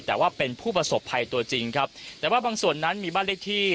แต่ว่าเป็นผู้ประสบภัยตัวจริงครับแต่ว่าบางส่วนนั้นมีบ้านเลขที่